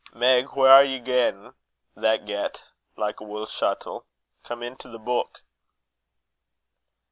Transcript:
"Meg! whaur are ye gaein' that get, like a wull shuttle? Come in to the beuk."